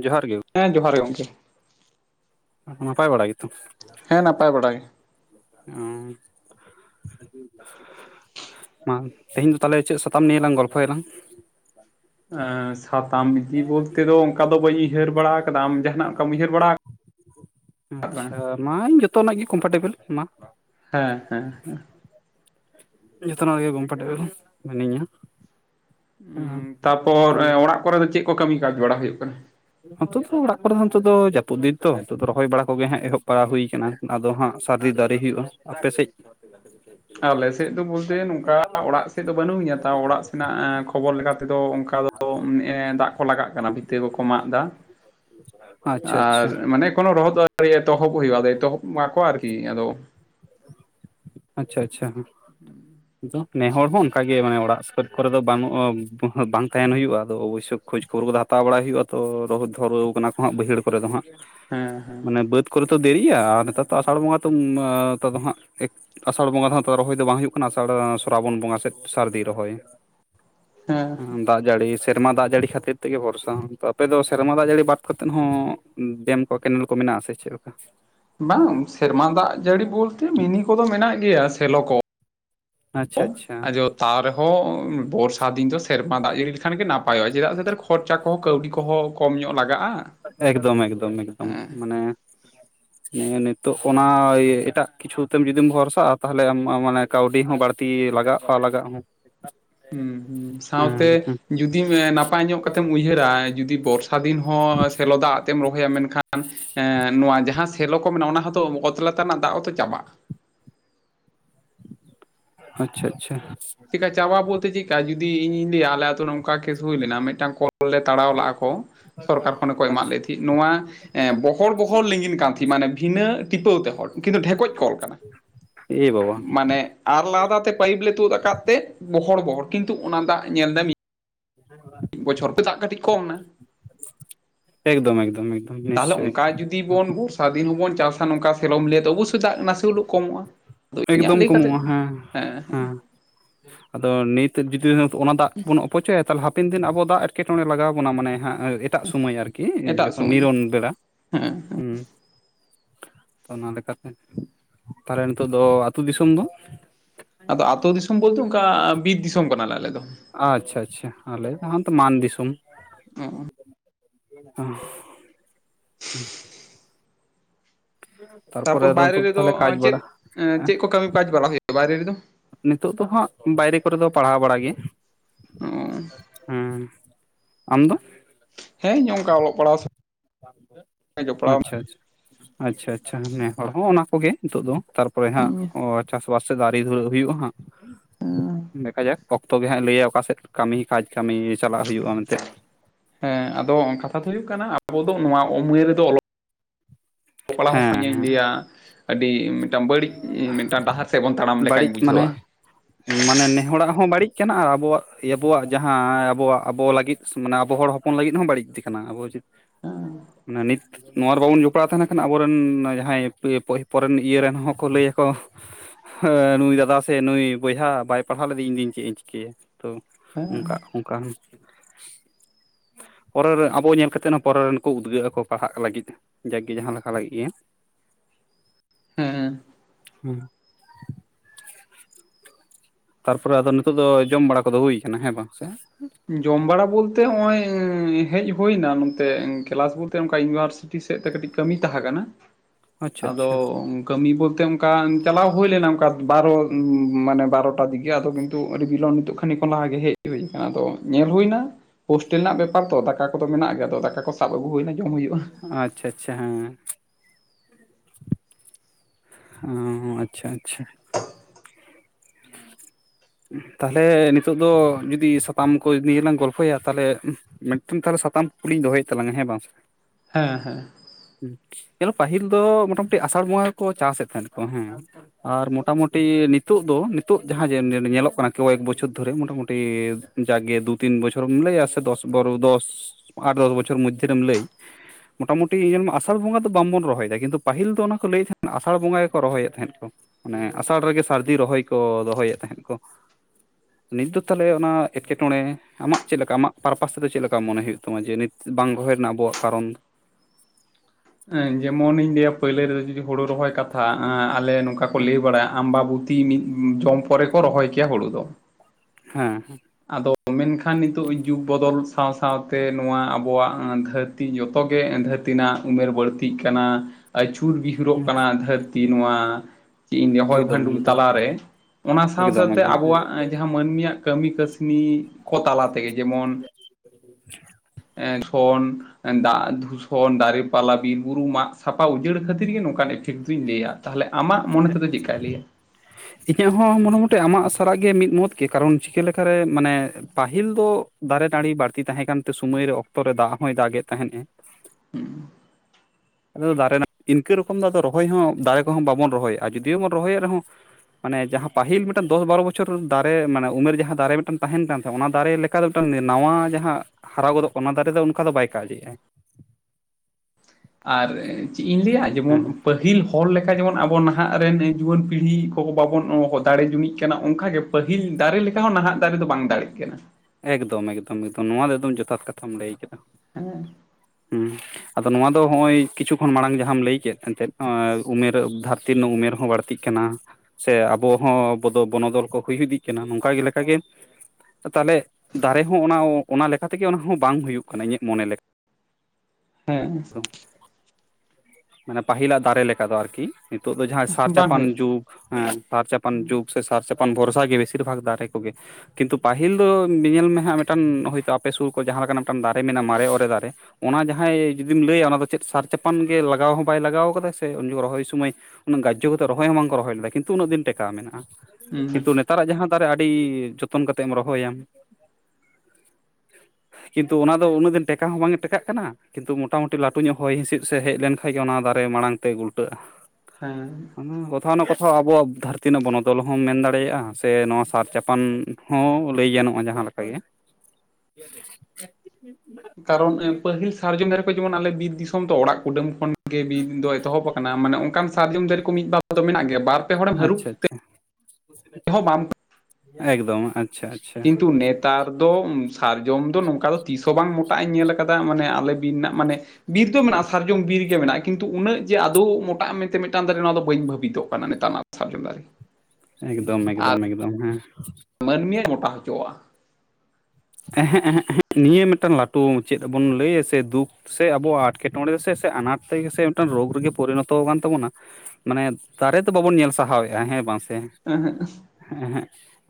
ᱡᱚᱦᱟᱨ ᱜᱮ᱾ ᱦᱮᱸ ᱡᱚᱦᱟᱨ ᱜᱮ ᱜᱚᱝᱠᱮ᱾ ᱚᱸ ᱱᱟᱯᱟᱭ ᱵᱟᱲᱟ ᱜᱮᱛᱚ᱾ ᱦᱮᱸ ᱱᱟᱯᱟᱭ ᱵᱟᱲᱟ ᱜᱮ᱾ ᱚᱸᱻ᱾ ᱢᱟ‌ ᱛᱮᱦᱮᱧ ᱫᱚ ᱛᱟ ᱦᱮᱞᱮ ᱪᱮᱫ ᱥᱟᱛᱟᱢ ᱱᱤᱭᱟᱹᱞᱟᱝ ᱜᱚᱞᱯᱚ ᱭᱟᱞᱟᱝ᱾ ᱟᱸᱥ᱾ ᱥᱟᱛᱟᱢ ᱤᱫᱤ ᱵᱩᱞᱛᱮ ᱫᱚ ᱚᱱᱠᱟ ᱫᱚ ᱵᱟᱹᱧ ᱩᱭᱦᱟᱹᱨ ᱵᱟᱲᱟ ᱦᱟᱠᱟᱫᱟ ᱟᱢ ᱡᱟᱦᱟᱸ ᱱᱟᱜ ᱚᱱᱠᱟᱢ ᱩᱭᱦᱟᱹᱨ ᱵᱟᱲᱟᱼ ᱟᱪ ᱪᱷᱟ᱾ ᱢᱟᱧ ᱡᱚᱛᱚ ᱱᱟᱜ ᱜᱮ ᱠᱚᱢᱯᱮᱴᱮᱵᱮᱞ ᱢᱟ᱾ ᱦᱮᱸ ᱡᱚᱛᱚ ᱱᱟᱜ ᱨᱮ ᱜᱮ ᱠᱚᱢᱯᱷᱮᱴᱮᱵᱮᱞ ᱢᱤᱱᱟᱹᱧᱟ᱾ ᱩᱸ ᱛᱟᱯᱚᱨ ᱚᱲᱟᱜ ᱠᱚᱨᱮ ᱫᱚ ᱪᱮᱫ ᱠᱚ ᱠᱟᱢᱤ ᱠᱟᱡ ᱵᱟᱲᱟ ᱦᱩᱭᱩᱜ ᱠᱟᱱᱟ᱾ ᱱᱚᱛᱚᱜ ᱫᱚ ᱚᱲᱟᱜ ᱠᱚᱨᱮ ᱱᱤᱸᱛᱚᱜ ᱫᱚ ᱡᱟᱯᱩᱫ ᱫᱤᱱ ᱛᱚ ᱱᱤᱛ ᱫᱚ ᱨᱚᱦᱚᱭ ᱵᱟᱲᱟ ᱠᱚᱜᱮ ᱦᱟᱸᱜ ᱮᱦᱚᱵ ᱵᱟᱲᱟ ᱦᱩᱭ ᱠᱟᱱᱟ᱾ ᱟᱫᱚ ᱦᱟᱸᱜ ᱥᱟᱨᱫᱤ ᱫᱚᱨᱮ ᱦᱩᱭᱩᱜ-ᱟ, ᱟᱯᱮ ᱥᱮᱡ? ᱟᱞᱮ ᱥᱮᱫ ᱫᱚ ᱵᱩᱞᱛᱮ ᱱᱩᱝᱠᱟ ᱚᱲᱟᱜ ᱥᱮᱫ ᱫᱚ ᱵᱟᱹᱱᱩᱜ-ᱧᱟ ᱛᱟᱣ ᱚᱲᱟᱜ ᱥᱮᱱᱟᱜ ᱠᱷᱚᱵᱚᱨ ᱞᱮᱠᱟ ᱛᱮᱫᱚ ᱚᱱᱠᱟ ᱫᱚᱼᱼ ᱮᱸ ᱫᱟᱜ ᱠᱚ ᱞᱟᱜᱟᱜ ᱠᱟᱱᱟ ᱵᱤᱛᱟᱹ ᱠᱚᱠᱚ ᱢᱟᱜ ᱫᱟ᱾ [unintelligible] ᱟᱪᱪᱷᱟ ᱟᱨ ᱟᱪᱪᱷᱟ ᱢᱟᱱᱮ ᱠᱚᱱᱳ ᱨᱚᱦᱚ ᱫᱚ ᱟᱣᱨᱤ ᱮᱛᱚᱦᱚᱵ ᱦᱩᱭᱩᱜ-ᱟ, ᱟᱫᱚ ᱮᱛᱚᱦᱚᱵ ᱢᱟᱠᱚ ᱟᱨ ᱠᱤ ᱟᱫᱚᱼᱼ ᱟᱪ ᱪᱷᱟ ᱟᱪᱷᱟ ᱦᱟᱸ᱾ ᱦᱩᱸ᱾ ᱫᱚ ᱱᱮᱦᱚᱨ ᱦᱚᱸ ᱚᱱᱠᱟ ᱜᱮ ᱢᱟᱱᱮ ᱚᱲᱟᱜ ᱥᱮᱫ ᱠᱚᱨᱮ ᱫᱚ ᱵᱟᱱᱩᱜ-ᱟ ᱚ ᱵᱚ ᱵᱟᱝ ᱛᱟᱦᱮᱱ ᱦᱩᱭᱩᱜ-ᱟ ᱟᱫᱚ ᱚᱵᱚᱥᱚᱭᱼ ᱠᱷᱚᱡ ᱠᱷᱚᱵᱚᱨ ᱠᱚᱫᱚ ᱦᱟᱛᱟᱣ ᱵᱟᱲᱟᱭ ᱦᱩᱭᱩᱜ-ᱟ ᱛᱚ ᱨᱚᱦᱩ ᱫᱷᱚᱨᱟᱹᱣ ᱠᱟᱱᱟ ᱠᱚ ᱦᱟᱸᱜ ᱵᱟᱹᱭᱦᱟᱹᱲ ᱠᱚᱨᱮ ᱫᱚ ᱦᱟᱸᱜᱼ ᱦᱮᱸ ᱦᱮᱸ ᱢᱟᱱᱮ ᱵᱟᱹᱛ ᱠᱚᱨᱮ ᱛᱚ ᱫᱮᱨᱤᱜ-ᱟ ᱟᱨ ᱱᱮᱛᱟᱨ ᱫᱚ ᱟᱥᱟᱲ ᱵᱚᱸᱜᱟ ᱛᱚ ᱩᱢ ᱢᱟ ᱱᱮᱛᱟᱨ ᱫᱚ ᱦᱟᱸᱜ ᱮᱠᱼ ᱟᱥᱟᱲ ᱵᱚᱸᱜᱟ ᱫᱚ ᱦᱟᱸᱜ ᱛᱚ ᱨᱚᱦᱚᱭ ᱫᱚ ᱵᱟᱝ ᱦᱩᱭᱩᱜ ᱠᱟᱱᱟ ᱟᱥᱟᱲ ᱥᱟᱨᱟᱵᱚᱬ ᱵᱚᱸᱜᱟ ᱥᱮᱫ ᱥᱟᱨᱫᱤ ᱨᱚᱦᱚᱭ᱾ ᱦᱮᱸ᱾ ᱫᱟᱜ ᱡᱟᱲᱤ ᱥᱮᱨᱢᱟ ᱫᱟᱜ ᱡᱟᱲᱤ ᱠᱷᱟᱹᱛᱤᱨ ᱛᱮᱜᱮ ᱵᱷᱚᱨᱥᱟ ᱦᱚᱸ ᱟᱯᱮ ᱫᱚ ᱥᱮᱨᱢᱟ ᱫᱟᱜ ᱡᱟᱹᱲᱤ ᱵᱟᱫ ᱠᱟᱛᱮᱫ ᱦᱚᱸᱼᱼ ᱰᱮᱢ ᱠᱚ ᱠᱮᱱᱮᱞ ᱠᱚ ᱢᱮᱱᱟᱜ- ᱟ ᱥᱮ ᱪᱮᱫ ᱞᱮᱠᱟ? ᱵᱟᱝ ᱥᱮᱨᱢᱟ ᱫᱟᱜ ᱡᱟᱲᱤ ᱵᱩᱞᱛᱮ ᱢᱤᱱᱤ ᱠᱚ ᱫᱚ ᱢᱮᱱᱟᱜ ᱜᱮᱭᱟ ᱥᱮᱞᱚ ᱠᱚ᱾ ᱟᱪᱪᱷᱟ ᱟᱪᱪᱷᱟ᱾ ᱟᱫᱚ ᱛᱟᱣ ᱨᱮᱦᱚᱸ ᱚᱸ ᱵᱚᱨᱥᱟ ᱫᱤᱱ ᱫᱚ ᱥᱮᱨᱢᱟ ᱫᱟᱜ ᱡᱟᱹᱲᱤ ᱞᱮᱠᱷᱟᱱ ᱜᱮ ᱱᱟᱯᱟᱭᱚᱜ-ᱟ ᱪᱮᱫᱟᱜ ᱥᱮ ᱛᱮᱨ ᱠᱷᱚᱨᱪᱼᱼ ᱠᱷᱚᱨᱪᱟ ᱠᱚᱦᱚᱸ ᱠᱟᱹᱣᱰᱤ ᱠᱚᱦᱚᱸ ᱠᱚᱢ ᱧᱚᱜ ᱞᱟᱜᱟᱜ-ᱟ᱾ ᱮᱠᱫᱚᱢ ᱮᱠᱫᱚᱢ ᱮᱠᱫᱚᱢ ᱢᱟᱱᱮ᱾ ᱱᱤ ᱱᱤᱛᱚᱜ ᱚᱱᱟ ᱤᱭᱟᱹ ᱮᱴᱟᱜ ᱠᱤᱪᱷᱩ ᱛᱮᱢ ᱡᱩᱫᱤᱢ ᱵᱷᱚᱨᱥᱟᱜ-ᱟ ᱛᱟᱦᱚᱞᱮ ᱟᱢ ᱢᱟᱜ ᱢᱟᱱᱮᱼᱼ ᱠᱟᱣᱰᱤ ᱦᱚᱸ ᱵᱟᱲᱛᱤ ᱞᱟᱜᱟᱜ-ᱟ ᱞᱟᱜᱟᱜ ᱦᱚᱸ᱾ ᱩᱸ ᱦᱩᱸ ᱥᱟᱶᱛᱮ ᱦᱮᱸ ᱦᱮᱸ ᱡᱩᱫᱤᱢ ᱮᱸ ᱱᱟᱯᱟᱭ ᱧᱚᱜ ᱠᱟᱛᱮᱢ ᱩᱭᱦᱟᱹᱨᱟ ᱡᱩᱫᱤ ᱵᱚᱨᱥᱼᱼ ᱵᱟᱨᱥᱟ ᱫᱤᱱ ᱦᱚ ᱥᱮᱞᱚ ᱫᱟᱜ ᱛᱮᱢ ᱨᱚᱦᱚᱭᱟ ᱢᱮᱱᱠᱷᱟᱱ ᱮᱸ ᱱᱚᱣᱟ ᱡᱟᱦᱟᱸ ᱥᱮᱞᱚ ᱠᱚ ᱢᱮᱱᱟᱜ-ᱟ ᱚᱱᱟ ᱦᱚᱸᱛᱚ ᱚᱛ ᱞᱟᱛᱟ ᱨᱮᱱᱟᱜ ᱫᱟᱜ ᱦᱚᱸᱛᱚ ᱪᱟᱵᱟᱜ-ᱟ᱾ ᱟᱪᱪᱷᱟ ᱟᱪᱪᱷᱟ᱾ ᱪᱮᱠᱟ ᱪᱟᱵᱟ ᱵᱚᱞᱛᱮ ᱪᱮᱫ ᱠᱟ ᱡᱩᱫᱤ ᱤᱧᱤᱧ ᱞᱟᱹᱭᱟ ᱟᱞᱮ ᱟᱛᱳ ᱱᱚᱝᱠᱟ ᱠᱮᱥ ᱦᱩᱭ ᱞᱮᱱᱟ ᱢᱤᱫᱴᱟᱝ ᱠᱚᱞᱼᱼ ᱠᱚ ᱛᱟᱲᱟᱣ ᱞᱟᱜ-ᱟ ᱠᱚ ᱥᱚᱨᱠᱟᱨ ᱠᱷᱚᱱᱮ ᱠᱚ ᱮᱢᱟᱫ ᱟᱪᱪᱷᱟ ᱞᱮᱫ ᱛᱮᱸᱼᱼ ᱱᱚᱣᱟ ᱮᱸ ᱵᱚᱦᱚᱲ ᱵᱚᱦᱚᱲ ᱞᱤᱸᱜᱤᱱ ᱠᱟᱱ ᱛᱷᱤᱸ ᱢᱟᱱᱮ ᱵᱷᱤᱱᱟᱹ ᱴᱤᱯᱟᱹᱣ ᱛᱮ ᱦᱚᱲ᱾ ᱠᱤᱱᱛᱩ ᱰᱷᱮᱠᱚᱡ ᱠᱚᱞ ᱠᱟᱱᱟ ᱮ ᱵᱟᱵᱟ ᱢᱟᱱᱮ ᱟᱨ ᱞᱟᱫᱟ ᱛᱮ ᱯᱟᱹᱭᱤᱯ ᱞᱮ ᱛᱩᱫᱟᱼᱼ [inaudible] ᱵᱚᱦᱚᱲᱼᱵᱚᱦᱚᱲ ᱠᱤᱱᱛᱩᱜ ᱚᱱᱟ ᱫᱟᱜ ᱧᱮᱞ ᱫᱟ ᱢᱤᱫᱼᱼ [unintelligible] ᱵᱚᱪᱷᱚᱨ ᱯᱮ ᱫᱟᱜ ᱠᱟᱴᱤᱡ ᱠᱚᱢ ᱱᱟ᱾ ᱮᱠᱫᱚᱢ ᱮᱠᱫᱚᱢ ᱛᱟᱦᱚᱞᱮ ᱱᱤᱥᱪᱳᱭ ᱚᱱᱠᱟ ᱡᱩᱫᱤ ᱵᱚᱱ ᱵᱚᱨᱥᱟ ᱫᱤᱱ ᱦᱚᱸᱵᱚᱱ ᱪᱟᱥᱟ ᱱᱚᱝᱠᱟ ᱥᱮᱞᱚᱢ ᱞᱮ ᱛᱚ ᱚᱵᱚᱥᱼᱼ ᱫᱟᱜ ᱱᱟᱥᱮ ᱩᱥᱩᱞᱚᱜ ᱠᱚᱢᱚᱜ-ᱟ ᱮᱠᱫᱚᱢ ᱠᱚᱢᱚᱜᱼᱟ ᱦᱮᱸ ᱦᱮᱸ ᱼᱼ ᱟᱫᱚ ᱱᱤᱛ ᱡᱩᱫᱤ ᱚᱱᱟ ᱫᱟᱜ ᱵᱚᱱ ᱚᱯᱚᱪᱚᱭᱟ ᱛᱟᱦᱟᱞᱮ [inaudible] ᱦᱟᱯᱮᱱ ᱫᱤᱱ ᱟᱵᱚ ᱫᱟᱜ ᱮᱴᱠᱮᱴᱚᱬᱮ ᱞᱟᱜᱟᱣ ᱵᱚᱱᱟ ᱢᱟᱱᱮ ᱦᱟᱸᱜ᱾ [inaudible] ᱮᱴᱟᱜ ᱥᱚᱢᱚᱭ ᱟᱨᱠᱤ ᱮᱴᱟᱜ ᱡᱚᱠᱷᱚᱱ ᱥᱚᱢᱚᱭ ᱱᱤᱨᱚᱱ ᱵᱮᱲᱟ, ᱦᱮᱸ ᱦᱚᱸ ᱛᱚ ᱚᱱᱟ ᱞᱮᱠᱟᱛᱮ ᱛᱟᱦᱚᱞᱮ ᱱᱤᱛᱳ ᱫᱚ ᱟᱹᱛᱩ ᱫᱤᱥᱚᱢ ᱫᱚ? ᱟᱫᱚ ᱟᱹᱛᱩ ᱫᱤᱥᱚᱢ ᱵᱚᱞᱛᱮ ᱚᱱᱠᱟ ᱵᱤᱨ ᱫᱤᱥᱚᱢ ᱠᱟᱱᱟᱞᱮ ᱟᱞᱮ ᱫᱚ᱾ ᱟᱪᱪᱷᱟ ᱟᱪᱪᱷᱟ ᱟᱞᱮ ᱡᱟᱦᱟᱸ ᱛᱚ ᱢᱟᱱ ᱫᱤᱥᱚᱢ᱾ ᱚ ᱦ [unintelligible] [unintelligible] [unintelligible] ᱛᱟᱯᱚᱨ ᱟᱫᱚ ᱵᱟᱭᱨᱮ ᱱᱤᱛᱚᱜ ᱫᱚ ᱨᱮᱫᱚ ᱛᱟᱦᱚᱞᱮ ᱠᱟᱡ ᱪᱮᱫ ᱵᱟᱲᱟ ᱪᱮᱫ ᱠᱚ ᱠᱟᱹᱢᱤ ᱠᱟᱡᱽ ᱵᱟᱲᱟ ᱦᱩᱭᱩᱜᱭᱼᱟ ᱵᱟᱭᱨᱮ ᱨᱮᱫᱚ? ᱱᱤᱛᱚᱜ ᱫᱚ ᱦᱟᱸᱜ ᱵᱟᱭᱨᱮ ᱠᱚᱨᱮ ᱫᱚ ᱯᱟᱲᱦᱟᱣ ᱵᱟᱲᱟᱜ ᱜᱮ᱾ ᱚ ᱦᱮᱸ ᱟᱢ ᱫᱚ? ᱦᱮᱸ ᱤᱧ ᱚᱱᱠᱟ ᱚᱞᱚᱜ ᱯᱟᱲᱦᱟᱣ᱾ [inaudible] ᱥᱟᱶ ᱟᱪ ᱡᱚᱯᱲᱟᱣ ᱪᱷᱟ ᱟᱪ ᱪᱷᱟ ᱟᱪ ᱪᱷᱟ ᱟᱪ ᱪᱷᱟ ᱱᱮ ᱦᱚᱲ ᱦᱚᱸ ᱚᱱᱟ ᱠᱚᱜᱮ ᱱᱤᱛᱚᱜ ᱫᱚ। ᱛᱟᱨᱯᱚᱨᱮ ᱦᱟᱸᱜ ᱪᱟᱥᱵᱟᱥ ᱥᱮᱫ ᱫᱚ ᱟᱣᱨᱤ ᱫᱷ [inaudible] ᱦᱩᱭᱩᱜᱼᱟ ᱦᱟᱸᱜ ᱫᱮᱠᱷᱟ ᱡᱟᱠ ᱼ ᱛᱚᱵᱮ ᱦᱟᱸᱜ ᱞᱟᱹᱭᱟ ᱚᱠᱟᱥᱮᱫ ᱠᱟᱹᱢᱤ ᱠᱟᱡ ᱠᱟᱹᱢᱤ ᱪᱟᱞᱟᱜ ᱦᱩᱭᱩᱜᱼᱟ ᱢᱮᱱ ᱛᱮᱫ᱾ ᱦᱮᱸ ᱟᱫᱚ ᱠᱟᱛᱷᱟ ᱫᱚ ᱦᱩᱭᱩᱜ ᱠᱟᱱᱟ ᱟᱵᱚ ᱫᱚ ᱱᱚᱣᱟ ᱩᱢᱮᱨ ᱨᱮᱫᱚ ᱚᱞᱚᱜ ᱼ ᱠᱚᱲᱟ [inaudible] ᱦᱚᱸ ᱦᱮᱸ ᱥᱟᱺᱜᱤᱧ [unintelligible] ᱦᱮᱸ ᱞᱟᱹᱭᱟ ᱟᱹᱰᱤ ᱢᱤᱫᱴᱟᱝ ᱵᱟᱹᱲᱤᱡ ᱢᱤᱫᱴᱟᱝ ᱰᱟᱦᱟᱨ ᱥᱮᱫ ᱵᱚᱱ ᱛᱟᱲᱟᱢ ᱞᱮᱠᱟᱧ ᱵᱟᱹᱲᱤᱡ ᱵᱩᱡᱷᱟᱹᱣᱟ᱾ ᱢᱟᱱᱮ ᱢᱟᱱᱮ ᱱᱮᱦᱚᱱᱟᱜ ᱦᱚᱸ ᱵᱟᱹᱲᱤᱡ ᱠᱟᱱᱟ ᱟᱨ ᱟᱵᱚᱣᱟᱜ ᱟᱵᱚᱣᱟᱜ ᱡᱟᱦᱟᱸ ᱟᱵᱚᱣᱟᱜ ᱟᱵᱚ ᱞᱟᱹᱜᱤᱫ ᱼᱼ ᱢᱟᱱᱮ ᱟᱵᱚ ᱦᱚᱲ ᱦᱚᱯᱚᱱ ᱞᱟᱹᱜᱤᱫ ᱦᱚᱸ ᱵᱟᱹᱲᱤᱡ ᱤᱫᱤ ᱠᱟᱱᱟ ᱟᱵᱚ [inaudible] ᱢᱟᱱᱮ ᱱᱤᱛ ᱱᱚᱣᱟ ᱨᱮ ᱵᱟᱵᱚᱱ ᱡᱚᱯᱲᱟᱣ ᱛᱟᱦᱮᱱ ᱠᱷᱟᱱ ᱟᱵᱚᱨᱮᱱ ᱡᱟᱦᱟᱸᱭ [inaudible] ᱯᱚᱨᱮᱱ ᱤᱭᱟᱹᱮᱱ ᱦᱚᱸᱼᱼ ᱠᱚ ᱞᱟᱹᱭ ᱟᱠᱚ ᱱᱩᱭ ᱫᱟᱫᱟ ᱥᱮ ᱱᱩᱭ ᱵᱚᱭᱦᱟ ᱵᱟᱭ ᱯᱟᱲᱦᱟᱣ ᱞᱮᱫᱤᱫᱤᱧ ᱤᱧᱫᱚ ᱪᱮᱫ ᱤᱧ ᱪᱤᱠᱟᱹᱭᱟ ᱱᱤᱛᱚᱜ ᱦᱮᱸ ᱚᱱᱠᱟ ᱚᱱᱠᱟᱱ ᱯᱚᱨᱮ ᱨᱮ ᱟᱵᱚ ᱧᱮᱞ ᱠᱟᱛᱮᱫ ᱦᱚᱸ ᱯᱚᱨᱮ ᱨᱮᱱ ᱠᱚ ᱩᱫᱽᱜᱟᱹᱜ ᱟᱠᱚ ᱯᱟᱲᱦᱟᱜ ᱞᱟᱹᱜᱤᱫ᱾ ᱡᱟᱜ ᱜᱮ ᱡᱟᱦᱟᱸ ᱞᱮᱠᱟ ᱞᱟᱹᱜᱤᱫ ᱜᱮᱭᱟ [unintelligible] ᱦᱮᱸ ᱛᱟᱨᱯᱚᱨᱮ ᱟᱫᱚ ᱱᱤᱛᱚᱜ ᱫᱚ ᱡᱚᱢ ᱵᱟᱲᱟ ᱠᱚᱫᱚ ᱦᱩᱭ ᱟᱠᱟᱱᱟ ᱦᱮᱸ ᱵᱟᱝ ᱥᱮ? ᱡᱚᱢ ᱵᱟᱲᱟ ᱵᱚᱞᱛᱮ ᱱᱚᱜ ᱚᱭ ᱦᱮᱡ ᱦᱩᱭ ᱮᱱᱟ ᱱᱚᱛᱮ ᱠᱮᱞᱟᱥ ᱵᱚᱞᱛᱮ ᱚᱱᱠᱟ ᱤᱭᱩᱱᱤᱵᱷᱟᱨᱥᱤᱴᱤ [unintelligible] ᱴᱤ ᱥᱮᱫ ᱛᱮ [inaudible] ᱠᱟᱹᱴᱤᱡ ᱠᱟᱹᱢᱤ ᱛᱟᱦᱮᱸ ᱠᱟᱱᱟ। [inaudible] ᱟᱫᱚᱻ ᱟᱪᱪᱷᱟ ᱠᱟᱹᱢᱤ ᱵᱚᱞᱛᱮ ᱚᱱᱠᱟ ᱪᱟᱞᱟᱣ ᱦᱩᱭ ᱞᱮᱱᱟ ᱚᱱᱠᱟ ᱵᱟᱨᱚ ᱢᱟᱱᱮ ᱵᱟᱨᱚᱴᱟ ᱫᱤᱠᱜᱮ ᱟᱫᱚ ᱠᱤᱱᱛᱩ ᱟᱹᱰᱤ ᱵᱤᱞᱚᱱ ᱱᱤᱛᱚᱜ ᱼ ᱛᱟᱱᱤ [unintelligible] ᱠᱚ ᱞᱟᱦᱟ ᱜᱮ ᱦᱮᱡ ᱦᱩᱭᱩ ᱟᱠᱟᱱᱟ ᱟᱫᱚ ᱼ ᱧᱮᱞ ᱦᱩᱭ ᱮᱱᱟ ᱦᱚᱥᱴᱮᱞ ᱨᱮᱱᱟᱜ ᱵᱮᱯᱟᱨ ᱛᱚ ᱫᱟᱠᱟ ᱠᱚᱫᱚ ᱢᱮᱱᱟᱜ ᱜᱮᱭᱟ ᱟᱫᱚ ᱫᱟᱠᱟ ᱠᱚ ᱥᱟᱵ ᱟᱹᱜᱩ ᱦᱩᱭᱱᱟ ᱡᱚᱢ ᱦᱩᱭᱩᱜᱼᱟ। ᱟᱪ ᱪᱷᱟ ᱟᱪ ᱪᱷᱟ ᱦᱮᱸ ᱦᱚᱸ ᱟᱪ ᱪᱷᱟ ᱟᱪ ᱪᱷᱟ ᱦᱮᱸ [inaudible] ᱛᱟᱦᱚᱞᱮ ᱱᱤᱛᱚᱜ ᱫᱚ ᱡᱩᱫᱤ ᱥᱟᱛᱟᱢ ᱠᱚ ᱱᱤᱭᱟᱹᱞᱟᱝ ᱜᱚᱞᱯᱚᱭᱟ ᱛᱟᱦᱚᱞᱮ ᱼ ᱢᱤᱫᱴᱟᱝ ᱛᱟᱦᱚᱞᱮ ᱥᱟᱛᱟᱢ ᱠᱩᱠᱞᱤᱧ ᱫᱚᱦᱚᱭᱮᱫ ᱛᱟᱞᱟᱝᱟ ᱦᱮᱸ ᱵᱟᱝ? ᱦᱮᱸ ᱦᱮᱸ ᱧᱮᱞᱚ [inaudible] ᱯᱟᱹᱦᱤᱞ ᱫᱚ ᱢᱚᱴᱟᱢᱚᱴᱤ ᱟᱥᱟᱲ ᱵᱚᱸᱜᱟ ᱜᱮᱠᱚ ᱪᱟᱥᱮᱫ ᱛᱟᱦᱮᱸᱫ ᱠᱚ ᱦᱮᱸ। ᱟᱨ ᱢᱚᱴᱟᱢᱚᱴᱤ ᱱᱤᱛᱚᱜ ᱫᱚ ᱼ ᱱᱤᱛᱚᱜ ᱡᱟᱦᱟᱸ ᱡᱮ ᱧᱮᱞᱚᱜ ᱠᱟᱱᱟ ᱠᱚᱭᱮᱠ ᱵᱚᱪᱷᱚᱨ ᱫᱷᱚᱨᱮ ᱢᱚᱴᱟᱢᱚᱴᱤ ᱡᱟᱠ ᱜᱮ ᱫᱩᱛᱤᱱ ᱵᱚᱪᱷᱚᱨ ᱼ ᱵᱚᱪᱷᱚᱨ ᱮᱢ [inaudible] ᱞᱟᱹᱭᱟ ᱥᱮ ᱫᱚᱥ ᱵᱟᱨ ᱫᱚᱥ ᱟᱴ ᱫᱚᱥ ᱵᱚᱪᱷᱚᱨ ᱢᱚᱪᱟᱹᱫ ᱨᱮᱢ ᱞᱟᱹᱭ ᱢᱚᱴᱟᱢᱩᱴᱤ ᱧᱮᱞ ᱢᱮ ᱟᱥᱟᱲ ᱵᱚᱸᱜᱟ ᱫᱚ ᱵᱟᱝᱵᱚᱱ ᱨᱚᱦᱚᱭᱮᱫᱟ ᱠᱤᱱᱛᱩ ᱯᱟᱹᱦᱤᱞ ᱫᱚ ᱚᱱᱟ ᱠᱚ ᱞᱟᱹᱭᱮᱫ ᱛᱟᱦᱮᱸᱫᱱᱟ ᱟᱥᱟᱲ ᱵᱚᱸᱜᱟ ᱜᱮᱠᱚ ᱨᱚᱦᱚᱭᱮᱫ ᱛᱟᱦᱮᱸᱫ ᱠᱚ। ᱢᱟᱱᱮ ᱟᱥᱟᱲ ᱨᱮᱜᱮ ᱥᱟᱹᱨᱫᱤ ᱨᱚᱦᱚᱭ ᱠᱚ ᱫᱚᱦᱚᱭᱮᱫ ᱛᱟᱦᱮᱸᱫ ᱠᱚ। ᱱᱤᱛ ᱫᱚ ᱛᱟᱦᱚᱞᱮ ᱚᱱᱟ ᱮᱴᱠᱮᱴᱚᱬᱮ ᱟᱢᱟᱜ ᱪᱮᱫ ᱞᱮᱠᱟ ᱟᱢᱟᱜ ᱯᱟᱨᱯᱟᱥ ᱛᱮᱫᱚ ᱪᱮᱫ ᱞᱮᱠᱟ ᱢᱚᱱᱮ ᱦᱩᱭᱩᱜ ᱛᱟᱢᱟ ᱡᱮ ᱱᱤᱛ ᱵᱟᱝ ᱨᱚᱦᱚᱭᱱᱟ ᱟᱵᱚᱣᱟᱜ ᱠᱟᱨᱚᱱ ᱡᱮᱢᱚᱱᱤᱧ ᱞᱟᱹᱭᱟ ᱯᱩᱭᱞᱩ ᱨᱮᱫᱚ ᱡᱩᱫᱤ ᱦᱩᱲᱩ ᱨᱚᱦᱚᱭ ᱠᱟᱛᱷᱟ ᱟᱞᱮ ᱱᱚᱝᱠᱟ ᱠᱚ ᱦᱮᱸ ᱞᱟᱹᱭ ᱵᱟᱲᱟᱭᱟ ᱟᱢᱵᱟᱵᱩᱤ ᱛᱤ ᱡᱚᱢ ᱯᱚᱨᱮ ᱠᱚ ᱨᱚᱦᱚᱭ ᱠᱮᱭᱟ ᱦᱩᱲᱩ ᱫᱚ ᱦᱮᱸ ᱮᱸ ᱟᱫᱚ ᱢᱮᱱᱠᱷᱟᱱ ᱱᱤᱛᱚᱜ ᱡᱩᱜ ᱵᱚᱫᱚᱞ ᱥᱟᱶ ᱥᱟᱶ ᱥᱟᱶᱛᱮ ᱱᱚᱣᱟ ᱟᱵᱚᱣᱟᱜ ᱫᱷᱟᱹᱨᱛᱤ ᱡᱚᱛᱚᱜᱮ ᱫᱷᱟᱹᱨᱛᱤ ᱨᱮᱱᱟᱜ ᱩᱢᱮᱨ ᱵᱟᱹᱲᱛᱤᱜ ᱠᱟᱱᱟ ᱟᱹᱪᱩᱨ ᱵᱤᱦᱩᱨᱚᱜ ᱠᱟᱱᱟ ᱫᱷᱟᱹᱨᱛᱤ ᱱᱚᱣᱟ ᱪᱮᱫ ᱤᱧ ᱦᱚᱭ ᱮᱠᱫᱚᱢ ᱵᱷᱟᱱᱰᱩᱞ ᱮᱠᱫᱚᱢ ᱛᱟᱞᱟᱨᱮ ᱚᱱᱟ ᱥᱟᱶ ᱮᱠᱫᱚᱢ ᱥᱟᱶᱛᱮ ᱮᱠᱫᱚᱢ ᱟᱵᱚᱣᱟᱜ ᱡᱟᱦᱟᱸ ᱢᱟᱹᱱᱢᱤᱭᱟᱜ ᱠᱟᱹᱢᱤ ᱠᱟᱹᱥᱤ ᱱᱤ ᱠᱚ ᱛᱟᱞᱟ ᱛᱮᱜᱮ ᱡᱮᱢᱚᱱ [unintelligible] ᱯᱷᱚᱱ ᱫᱟᱜ ᱫᱷᱩᱥᱚᱱ ᱫᱟᱨᱮ ᱯᱟᱞᱟ ᱵᱤᱨ ᱵᱩᱨᱩ ᱢᱟᱜ ᱥᱟᱯᱷᱟ ᱩᱡᱟᱹᱲ ᱠᱷᱟᱹᱛᱤᱨ ᱜᱮ ᱱᱚᱝᱠᱟᱱ ᱮᱯᱷᱮᱠᱴ ᱫᱩᱧ ᱞᱟᱹᱭᱟ᱾ ᱛᱟᱦᱞᱮ ᱟᱢᱟᱜ ᱢᱚᱱᱮ ᱛᱮᱫᱚ ᱪᱤᱠᱟᱭ ᱞᱟᱭᱟ? ᱤᱧᱟᱹᱜ ᱦᱚᱸ ᱢᱚᱴᱟᱢᱩᱴᱤ ᱟᱢᱟᱜ ᱟᱥᱨᱟ ᱜᱮ ᱢᱤᱫ ᱢᱚᱦᱚᱛ ᱜᱮ ᱠᱟᱨᱚᱱ ᱪᱤᱠᱟᱹ ᱞᱮᱠᱟ ᱨᱮ ᱢᱟᱱᱮ ᱯᱟᱹᱦᱤᱞ ᱫᱚ ᱫᱟᱨᱮ ᱱᱟᱹᱲᱤ ᱵᱟᱹᱲᱛᱤ ᱛᱟᱦᱮᱸ ᱠᱟᱱᱛᱮ ᱥᱚᱢᱚᱭ ᱨᱮ ᱚᱠᱛᱚ ᱨᱮ ᱫᱟᱜ ᱦᱚᱸᱭ ᱫᱟᱜ ᱮᱫ ᱛᱟᱦᱮᱸᱫ-ᱮ᱾ [unintelligible] ᱫᱟᱨᱮ [unintelligible] ᱤᱱᱠᱟᱹ ᱨᱚᱠᱚᱢ ᱫᱚ ᱨᱚᱦᱚᱭ ᱦᱚᱸ ᱫᱟᱨᱮ ᱠᱚᱦᱚᱸ ᱵᱟᱵᱚᱱ ᱨᱚᱦᱚᱭᱮᱫ-ᱟ ᱡᱩᱫᱤ ᱵᱚᱱ ᱨᱚᱦᱚᱭᱮᱫ ᱨᱮᱦᱚᱸ ᱢᱟᱱᱮ ᱡᱟᱦᱟᱸ ᱯᱟᱹᱦᱤᱞ ᱢᱤᱫᱴᱮᱱ ᱫᱚᱥ ᱵᱟᱨᱚ ᱵᱚᱪᱷᱚᱨ ᱫᱟᱨᱮ ᱢᱟᱱᱮ ᱩᱢᱮᱨ ᱡᱟᱦᱟᱸ ᱫᱟᱨᱮ ᱢᱤᱫᱴᱮᱱ ᱛᱟᱦᱮᱱ ᱠᱟᱱ ᱛᱟᱦᱮᱸᱫ ᱚᱱᱟ ᱫᱟᱨᱮ ᱞᱮᱠ ᱚᱱᱠᱟ ᱫᱚ ᱢᱤᱫᱴᱟᱝ ᱱᱟᱣᱟ ᱡᱟᱦᱟᱸ ᱦᱟᱨᱟ ᱜᱚᱫᱚᱜ ᱠᱟᱱᱟ ᱚᱱᱟ ᱫᱟᱨᱮ ᱫᱚ ᱚᱱᱠᱟ ᱫᱚ ᱵᱟᱭ ᱠᱟᱡᱽ ᱮᱫᱼᱟ᱾ ᱟᱨ ᱪᱮᱫ ᱤᱧ ᱞᱟᱹᱭᱟ ᱡᱮᱢᱚᱱ ᱦᱮᱸ ᱯᱟᱹᱦᱤᱞ ᱦᱚᱲ ᱞᱮᱠᱟ ᱡᱮᱢᱚᱱ ᱟᱵᱚ ᱱᱟᱦᱟᱜ ᱨᱤᱱ ᱡᱩᱣᱟᱹᱱ ᱯᱤᱲᱦᱤ ᱠᱚ ᱵᱟᱵᱚᱱ ᱫᱟᱲᱮ ᱡᱩᱢᱤᱜ ᱠᱟᱱᱟ ᱚᱱᱠᱟᱜᱮ ᱯᱟᱹᱦᱤᱞ ᱫᱟᱨᱮ ᱞᱮᱠᱟ ᱦᱚᱸ ᱱᱟᱦᱟᱜ ᱫᱟᱨᱮ ᱫᱚ ᱵᱟᱝ ᱫᱟᱨᱮᱜ ᱠᱟᱱᱟ ᱮᱠᱫᱚᱢ ᱮᱠᱫᱚᱢ ᱮᱠᱫᱚᱢ ᱱᱚᱣᱟ ᱫᱚ ᱮᱠᱫᱚᱢ ᱡᱚᱛᱷᱟᱛ ᱠᱟᱛᱷᱟᱢ ᱞᱟᱹᱭ ᱠᱮᱫ ᱫᱟ ᱦᱮᱸ ᱦᱩᱸ ᱟᱫᱚ ᱱᱚᱣᱟ ᱫᱚ ᱱᱚᱜ ᱚᱭ ᱠᱤᱪᱷᱩ ᱠᱷᱚᱱ ᱢᱟᱲᱟᱝ ᱡᱟᱦᱟᱸᱟᱢ ᱞᱟᱹᱭ ᱠᱮᱫ ᱮᱱᱛᱮᱜ ᱩᱢᱮᱨ ᱫᱷᱟᱹᱨᱛᱤ ᱨᱮᱱᱟᱜ ᱩᱢᱮᱨ ᱦᱚᱸ ᱵᱟᱹᱲᱛᱤ ᱞᱟᱹᱛᱤᱜ ᱠᱟᱱᱟ ᱥᱮ ᱟᱵᱚ ᱦᱚᱸ ᱟᱵ ᱵᱚᱱᱚᱫᱚᱞ ᱠᱚ ᱦᱩᱭ ᱤᱫᱤᱜ ᱠᱟᱱᱟ ᱱᱚᱝᱠᱟ ᱞᱮᱠᱟᱜᱮ ᱛᱟᱦᱞᱮ ᱫᱟᱨᱮ ᱦᱚᱸ ᱚᱱᱟ ᱚᱱᱟ ᱞᱮᱠᱟ ᱛᱮᱜᱮ ᱚᱱᱟᱦᱚᱸ ᱵᱟᱝ ᱦᱩᱭᱩᱜ ᱠᱟᱱᱟ ᱤᱧᱟᱹᱜ ᱢᱚᱱᱮ ᱞᱮᱠ ᱦᱮᱸ᱾ ᱢᱟᱱᱮ ᱯᱟᱹᱦᱤᱞᱟᱜ ᱫᱟᱨᱮ ᱞᱮᱠᱟ ᱫᱚ ᱟᱨᱠᱤ? ᱱᱤᱛᱚᱜ ᱫᱚ ᱡᱟᱦᱟᱸ ᱥᱟᱨ ᱵᱟᱝ ᱪᱟᱯᱟᱱ ᱦᱩᱭᱩᱜ ᱡᱩᱜᱽ᱾ ᱦᱮᱸ ᱥᱟᱨ ᱪᱟᱯᱟᱱ ᱡᱩᱜᱽ ᱥᱮ ᱥᱟᱨ ᱪᱟ [unintelligible] ᱵᱷᱚᱨᱥᱟ ᱜᱮ ᱵᱮᱥᱤᱨ ᱵᱷᱟᱜᱽ ᱫᱟᱨᱮ ᱠᱚᱜᱮ ᱠᱤᱱᱛᱩ ᱯᱟᱹᱦᱤᱞ ᱫᱚ ᱧᱮᱞ ᱢᱮ ᱦᱟᱸᱜ ᱢᱤᱫᱴᱟᱝ ᱦᱳᱭᱛᱳ ᱟᱯᱮ ᱥᱩᱨ ᱠᱚ ᱡᱟᱦᱟᱸ ᱞᱮᱠᱟᱱᱟᱜ ᱢᱤᱫᱴᱟᱝ ᱫᱟᱨᱮ ᱢᱮᱱᱟᱜᱼᱟ ᱢᱟᱨᱮ ᱚᱨᱮ ᱫᱟᱨᱮ᱾ ᱚᱱᱟ ᱡᱟᱦᱟᱸᱭ ᱡᱩᱫᱤᱢ ᱞᱟᱹᱭᱟ ᱚᱱᱟ ᱫᱚ ᱪᱮᱫ ᱥᱟᱨ ᱪᱟᱯᱟᱱ ᱜᱮ ᱞᱟᱜᱟᱣ ᱦᱚᱸ ᱵᱟᱭ ᱞᱟᱜᱟᱣ ᱠᱟᱫᱟ ᱥᱮ ᱩᱱ ᱡᱚᱠᱷᱚᱱ ᱨᱚᱦᱚᱭ ᱥᱚᱢᱚᱭ ᱚᱱᱟ ᱜᱟᱡᱽᱡᱚ ᱠᱚᱫᱚ ᱨᱚᱦᱚᱭ ᱦᱚᱸ ᱵᱟᱝᱠᱚ ᱨᱚᱦᱚᱭ ᱞᱮᱫᱟ ᱠᱤᱱᱛᱩ ᱩᱱᱟᱹᱜ ᱫᱤᱱ ᱴᱮᱠᱟᱣ ᱢᱮᱱᱟᱜᱼᱟ᱾ ᱦᱮᱸ ᱠᱤᱱᱛᱩ ᱱᱮᱛᱟᱨᱟᱜ ᱡᱟᱦᱟᱸ ᱫᱟᱨᱮ ᱟᱹᱰᱤ ᱡᱚᱛᱚᱱ ᱠᱟᱛᱮᱜ ᱮᱢ ᱨᱚᱦᱚᱭᱟᱢ᱾ ᱠᱤᱱᱛᱩ ᱚᱱᱟ ᱫᱚ ᱩᱱᱟᱹᱜ ᱫᱤᱱ ᱴᱮᱠᱟ ᱦᱚᱸ ᱵᱟᱝ ᱴᱮᱠᱟᱜ ᱠᱟᱱᱟ᱾ ᱠᱤᱱᱛᱩ ᱢᱚᱴᱟᱢᱚᱴᱤ ᱞᱟᱹᱴᱩ ᱧᱚᱜ ᱦᱚᱭ ᱦᱤᱸᱥᱤᱫ ᱥᱮ ᱦᱮᱡ ᱞᱮᱱ ᱠᱷᱟᱡ ᱜᱮ ᱚᱱᱟ ᱫᱟᱨᱮ ᱢᱟᱲᱟᱝ ᱛᱮ ᱜᱳᱞᱴᱟᱹᱜᱼᱟ᱾ ᱦᱮᱸ᱾ ᱠᱚ ᱛᱷᱟᱣᱱᱟ ᱠᱚ ᱥᱟᱶ ᱟᱵᱚᱣᱟᱜ ᱫᱷᱟᱹᱨᱛᱤ ᱨᱮᱱᱟᱜ ᱵᱚᱱᱚᱫᱚᱞ ᱦᱚᱢ ᱢᱮᱱ ᱫᱟᱲᱮᱭᱟᱜᱼᱟ ᱥᱮ ᱱᱚᱶᱟ ᱥᱟᱨ ᱪᱟᱯᱟᱱ ᱦᱚᱸ ᱞᱟᱹᱭ ᱜᱟᱱᱚᱜᱼᱟ ᱡᱟᱦᱟᱸ ᱞᱮᱠᱟ ᱜᱮ᱾ ᱠᱟᱨᱚᱱ ᱯᱟᱹᱦᱤᱞ ᱥᱟᱨᱡᱚᱢ ᱫᱟᱨᱮ ᱠᱚ ᱡᱮᱢᱚᱱ ᱟᱞᱮ ᱵᱤᱨ ᱫᱤᱥᱚᱢ [unintelligible] ᱛᱚ ᱚᱲᱟᱜ ᱠᱩᱰᱟᱹᱢ ᱠᱷᱚᱱᱜ ᱜᱮ ᱵᱤᱫ ᱫᱚ ᱮᱛᱚᱦᱚᱵ ᱟᱠᱟᱱᱟ ᱢᱟᱱᱮ ᱚᱱᱠᱟᱱ ᱥᱟᱨᱡᱚᱢ ᱫᱟᱨᱮ ᱠᱚ ᱢᱤᱫ ᱵᱟᱨ ᱫᱚ ᱢᱮᱱᱟᱜ ᱜᱮᱭᱟ ᱵᱟᱨ ᱯᱮ ᱦᱚᱲᱮᱢ ᱦᱟᱹᱨᱩᱵ ᱟᱪᱷᱟ ᱟᱪᱷᱟ᱾ ᱛᱮᱦᱚᱸ ᱵᱟᱢ ᱮᱠᱫᱚᱢ ᱟᱪ ᱠᱤᱱᱛᱩ ᱱᱮᱛ ᱛᱟᱨ ᱫᱚ ᱥᱟᱨᱡᱚᱢ ᱫᱚ ᱱᱚᱝᱠᱟ ᱫᱚ ᱛᱤᱥ ᱦᱚᱸ ᱵᱟᱝ ᱢᱚᱴᱟᱜ ᱤᱧ ᱧᱮᱞ ᱟᱠᱟᱫᱟ ᱢᱟᱱᱮ ᱟᱞᱮ ᱵᱤᱨ ᱨᱮᱱᱟᱜ ᱢᱟᱱᱮ ᱵᱤᱨ ᱫᱚ ᱢᱮᱱᱟᱜᱼᱟ ᱥᱟᱨᱡᱚᱢ ᱵᱤᱨ ᱜᱮ ᱢᱮᱱᱟᱜᱼᱟ ᱠᱤᱱᱛᱩ ᱩᱱᱟᱹᱜ ᱡᱮ ᱟᱫᱚ ᱢᱚᱴᱟᱜ ᱢᱮᱱᱛᱮ ᱢᱤᱫᱴᱟᱝ ᱫᱟᱨᱮ ᱱᱚᱣᱟ ᱫᱚ ᱵᱟᱹᱧ ᱵᱷᱟᱹᱵᱤᱛᱚᱜ ᱠᱟᱱᱟ ᱱᱮᱛᱟᱨ ᱱᱟ ᱥᱟᱨᱡᱚᱢ ᱫᱟᱨᱮ᱾ ᱮᱠᱫᱚᱢ ᱮᱠᱫᱚᱢ ᱮᱠᱫᱚᱢ ᱦᱮᱸ᱾ ᱢᱟᱹᱱᱢᱤᱭᱮ ᱢᱚᱴᱟ ᱦᱚᱪᱚᱣᱟᱜᱼᱟ? ᱮᱸᱦᱮᱸᱜ ᱮᱸᱦᱮᱸᱜ ᱮᱸᱦᱮᱸᱜ ᱱᱤᱭᱟᱹ ᱢᱤᱫᱴᱟᱝ ᱞᱟᱴᱩ ᱢᱩᱪᱟᱹᱫ ᱨᱮ ᱵᱚᱱ ᱞᱟᱹᱭᱟ ᱥᱮ ᱫᱩᱠ ᱥᱮ ᱟᱵᱚᱣᱟᱜ ᱮᱴᱠᱮᱴᱚᱬᱮ ᱥᱮ ᱥᱮ ᱟᱱᱟᱴ ᱛᱮᱜᱮ ᱥᱮ ᱢᱤᱫᱴᱟᱱ ᱨᱚᱜᱽ ᱨᱮᱜᱮ ᱯᱚᱨᱤᱱᱚᱛᱚ ᱟᱠᱟᱱ ᱛᱟᱵᱚᱱᱟ? ᱢᱟᱱᱮ ᱫᱟᱨᱮ ᱫᱚ ᱵᱟᱵᱚᱱ ᱧᱮᱞ ᱥᱟᱦᱟᱣᱮᱫᱼᱟ ᱦᱮᱸ ᱵᱟᱝ ᱥᱮ? ᱩᱸᱦᱩᱸᱜ᱾ ᱩᱸᱦᱩᱸᱜ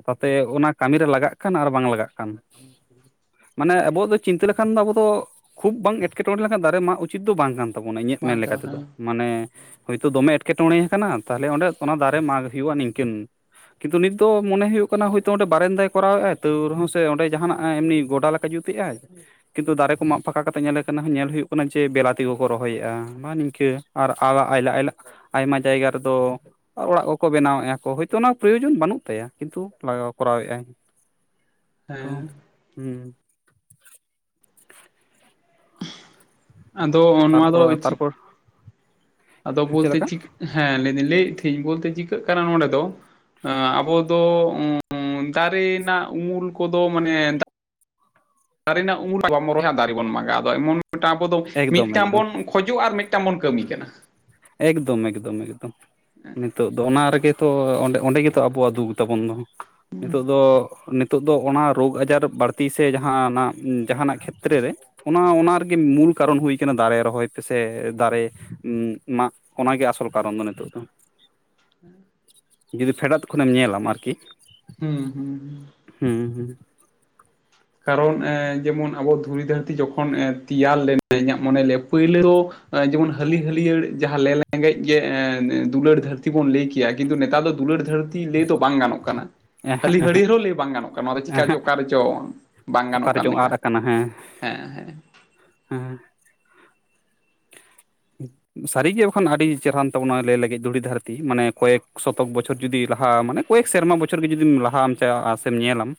ᱛᱟᱛᱮ ᱚᱱᱟ ᱠᱟᱹᱢᱤᱨᱮ ᱞᱟᱜᱟᱜ ᱠᱟᱱ ᱟᱨ ᱵᱟᱝ ᱞᱟᱜᱟᱜ ᱠᱟᱱ᱾ ᱢᱟᱱᱮ ᱟᱵᱚᱣᱟᱜ ᱫᱚ ᱪᱤᱱᱛᱟᱹ ᱞᱮᱠᱷᱟᱱ ᱫᱚ ᱟᱵᱚ ᱫᱚ ᱠᱷᱩᱵᱽ ᱵᱟᱝ ᱮᱴᱠᱮᱴᱚᱬᱮ ᱞᱮᱠᱷᱟᱱ ᱫᱟᱨᱮ ᱢᱟᱜ ᱩᱪᱤᱛ ᱫᱚ ᱵᱟᱝ ᱠᱟᱱ ᱛᱟᱵᱚᱱᱟ ᱤᱧᱟᱹᱜ ᱢᱮᱱ ᱵᱟᱝ ᱠᱟᱱᱟ ᱞᱮᱠᱟᱛᱮ ᱫᱚ ᱦᱮᱸ ᱢᱟᱱᱮ ᱦᱳᱭᱛᱳ ᱫᱚᱢᱮ ᱮᱴᱠᱮᱴᱚᱬᱮ ᱟᱠᱟᱱᱟ ᱛᱟᱦᱞᱮ ᱚᱸᱰᱮ ᱥᱚᱱᱟ ᱫᱟᱨᱮ ᱢᱟᱜᱽ ᱦᱩᱭᱩᱜᱼᱟ ᱱᱤᱝᱠᱟᱹᱱ ᱠᱤᱱᱛᱩ ᱱᱤᱛ ᱫᱚ ᱢᱚᱱᱮ ᱦᱩᱭᱩᱜ ᱠᱟᱱᱟ ᱦᱚᱭᱛᱳ ᱚᱸᱰᱮ ᱵᱟᱨᱮᱱᱫᱟᱭ ᱠᱚᱨᱟᱣᱮᱫᱼᱟ ᱛᱟᱹᱣ ᱨᱮ ᱦᱚᱸ ᱥᱮ ᱚᱸᱰᱮ ᱡᱟᱦᱟᱱᱟᱜ ᱮᱢᱱᱤ ᱜᱚᱰᱟ ᱞᱮᱠᱟ ᱡᱩᱛ ᱮᱫ-ᱟᱭ᱾ ᱠᱤᱱᱛᱩ ᱫᱟᱨᱮ ᱠᱚ ᱢᱟᱜ ᱯᱷᱟᱠᱟ ᱠᱟᱛᱮ ᱧᱮᱞᱮ ᱟᱠᱟᱱᱟ ᱧᱮᱞ ᱦᱩᱭᱩᱜ ᱠᱟᱱᱟ ᱪᱮ ᱵᱮᱞᱟᱛᱤᱠᱚ ᱠᱚ ᱨᱚᱦᱚᱭᱮᱫᱼᱟ ᱦᱳᱭ ᱱᱤᱝᱠᱟᱹ᱾ ᱟᱨ ᱟᱭᱢᱟ ᱡᱟᱭᱜᱟ ᱨᱮᱫᱚ ᱟᱨ ᱚᱲᱟᱜ ᱠᱚᱠᱚ ᱵᱮᱱᱟᱣᱮᱫᱼᱟ ᱠᱚ ᱦᱚᱭᱛᱚ ᱚᱱᱟ ᱯᱨᱚᱭᱚᱡᱚᱱ ᱵᱟᱹᱱᱩᱜ ᱛᱟᱭᱟ ᱠᱤᱱᱛᱩ ᱞᱟᱜᱟᱣ ᱠᱚᱨᱟᱣ ᱮᱫᱟᱭ ᱛᱚ ᱦᱮᱸ ᱦᱩᱸ ᱟᱫᱚ ᱱᱚᱣᱟ ᱛᱟᱨᱯᱚᱨ ᱫᱚ ᱪᱤ ᱛᱟᱨᱯᱚᱨ ᱟᱫᱚ ᱪᱮᱫ ᱵᱚᱞᱛᱮ ᱞᱮᱠᱟ ᱪᱤᱠᱟᱹᱜ ᱦᱮᱸ ᱞᱟᱹᱭᱫᱟᱧ ᱞᱟᱹᱭᱮᱫ ᱛᱟᱦᱮᱸᱱᱤᱧ ᱵᱚᱞᱛᱮ ᱪᱤᱠᱟᱹᱜ ᱠᱟᱱᱟ ᱱᱚᱰᱮ ᱫᱚ ᱟᱵᱚ ᱫᱚ ᱫᱟᱨᱮ ᱨᱮᱱᱟᱜ ᱩᱢᱩᱞ ᱠᱚᱫᱚ ᱢᱟᱱᱮ ᱫᱟᱨᱮ ᱨᱮᱱᱟᱜ ᱩᱢᱩᱞ ᱵᱟᱵᱚᱱ ᱨᱚᱦᱚᱭᱟ ᱫᱟᱨᱮ ᱵᱚᱱ ᱢᱟᱜᱟᱼᱟ ᱮᱢᱚᱱ ᱢᱤᱫᱟᱝ ᱟᱵᱚ ᱫᱚ ᱮᱠᱫᱚᱢ ᱢᱤᱫᱴᱟᱝ ᱮᱠᱫᱚᱢ ᱵᱚᱱ ᱠᱷᱚᱡᱚᱜ ᱟᱨ ᱢᱤᱫᱴᱟᱝ ᱵᱚᱱ ᱠᱟᱹᱢᱤ ᱠᱟᱱᱟ᱾ ᱮᱠᱫᱚᱢ ᱮᱠᱫᱚᱢ ᱮᱠᱫᱚᱢ᱾ ᱱᱤᱛᱚᱜ ᱫᱚ ᱚᱱᱟ ᱨᱮᱜᱮ ᱛᱚ ᱚᱸᱰᱮ ᱚᱸᱰᱮ ᱜᱮᱛᱚ ᱟᱵᱚᱣᱟᱜ ᱫᱩᱠ ᱛᱟᱵᱚᱱ ᱫᱚ᱾ ᱱᱤᱛᱚᱜ ᱫᱚ ᱱᱤᱛᱚᱜ ᱫᱚ ᱚᱱᱟ ᱨᱚᱜᱽ ᱟᱡᱟᱨ ᱵᱟᱹᱲᱛᱤ ᱥᱮ ᱡᱟᱦᱟᱱᱟᱜ ᱡᱟᱦᱟᱱᱟᱜ ᱠᱷᱮᱛᱨᱮ ᱨᱮ ᱚᱱᱟ ᱚᱱᱟ ᱨᱮᱜᱮ ᱢᱩᱞ ᱠᱟᱨᱚᱱ ᱦᱩᱭ ᱟᱠᱟᱱᱟ ᱫᱟᱨᱮ ᱨᱚᱦᱚᱭ ᱯᱮ ᱥᱮ ᱫᱟᱨᱮ ᱩᱸ ᱢᱟᱜ ᱚᱱᱟᱜᱮ ᱟᱥᱚᱞ ᱠᱟᱨᱚᱱ ᱫᱚ ᱱᱤᱛᱚᱜ ᱫᱚ᱾ [inaudible] ᱡᱩᱫᱤ ᱯᱷᱮᱰᱟᱛ ᱠᱷᱚᱱᱮᱢ ᱧᱮᱞᱟᱢ ᱟᱨᱠᱤ ᱦᱩᱸ ᱦᱩᱸ ᱦᱩᱸ ᱦᱩᱸ ᱦᱩᱸ ᱠᱟᱨᱚᱱ ᱮ ᱡᱮᱢᱚᱱ ᱟᱵᱚ ᱫᱷᱩᱲᱤ ᱫᱷᱟᱹᱨᱛᱤ ᱡᱚᱠᱷᱚᱱ ᱛᱮᱭᱟᱨ ᱞᱮᱱᱟ ᱤᱧᱟᱹᱜ ᱢᱚᱱᱮ ᱞᱟᱹᱭᱟ ᱯᱩᱭᱞᱩ ᱫᱚ ᱡᱮᱢᱚᱱ ᱦᱟᱹᱞᱤ ᱦᱟᱹᱞᱭᱟᱹᱲ ᱡᱟᱦᱟᱸ ᱞᱮ ᱨᱮᱸᱜᱮᱡ ᱜᱮ ᱫᱩᱞᱟᱹᱲ ᱫᱷᱟᱹᱨᱛᱤ ᱵᱚᱱ ᱞᱟᱹᱭ ᱠᱮᱭᱟ ᱠᱤᱱᱛᱩ ᱱᱮᱛᱟᱨ ᱫᱚ ᱫᱩᱞᱟᱹᱲ ᱫᱷᱟᱹᱨᱛᱤ ᱞᱟᱹᱭ ᱫᱚ ᱵᱟᱝ ᱜᱟᱱᱚᱜ ᱠᱟᱱᱟ ᱦᱟᱹᱞᱤ ᱦᱟᱹᱲᱭᱟᱹᱨ ᱦᱚᱸ ᱞᱟᱹᱭ ᱵᱟᱝ ᱜᱟᱱᱚᱜ ᱠᱟᱱᱟ ᱱᱚᱣᱟ ᱫᱚ ᱦᱩᱸ ᱪᱤᱠᱟ ᱚᱠᱟ ᱨᱮ ᱪᱚᱝ ᱚᱠᱟ ᱨᱮᱪᱚᱝ ᱟᱫ ᱟᱠᱟᱱᱟ ᱦᱮᱸ ᱦᱮᱸ ᱦᱮᱸ ᱦᱮᱸ [unintelligible] ᱥᱟᱹᱨᱤᱜᱮ ᱵᱟᱠᱷᱟᱱ ᱟᱹᱰᱤ ᱪᱮᱨᱦᱟ ᱨᱟᱱ ᱛᱟᱵᱚᱱᱟᱭ ᱞᱟᱹᱭ ᱞᱟᱹᱜᱤᱫ ᱫᱷᱩᱲᱤ ᱫᱷᱟᱹᱨᱛᱤ ᱢᱟᱱᱮ ᱠᱚᱭᱮᱠ ᱥᱚᱛᱚᱠ ᱵᱚᱪᱷᱚᱨ ᱡᱩᱫᱤ ᱞᱟᱦᱟ ᱢᱟᱱᱮ ᱠᱚᱭᱮᱠ ᱥᱮᱨᱢᱟ ᱵᱚᱪᱷᱚᱨ ᱜᱮ ᱡᱩᱫᱤᱢ ᱞᱟᱦᱟᱢ ᱪᱟᱞᱼᱟ ᱥᱮᱢ ᱧᱮᱞᱟᱢ